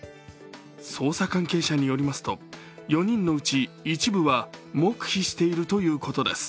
捜査関係者によりますと４人のうち一部は黙秘しているということです。